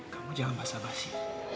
kamu jangan basa basi